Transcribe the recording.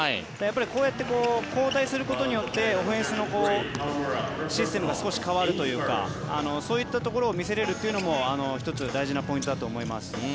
こうやって交代することによってオフェンスのシステムが少し変わるというかそういったところを見せられるというのも１つ、大事なポイントだと思います。